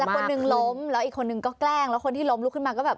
แต่คนหนึ่งล้มแล้วอีกคนนึงก็แกล้งแล้วคนที่ล้มลุกขึ้นมาก็แบบ